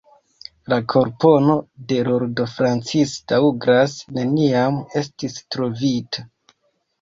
La korpon de Lordo Francis Douglas neniam estis trovita.